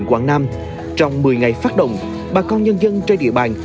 quảng nam trong một mươi ngày phát động bà con nhân dân trên địa bàn